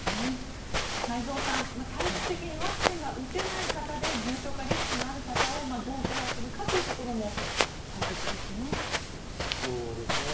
太蔵さん体質的にワクチンが打てない方で重症化リスクのある方をどうケアするかというところも大切ですね。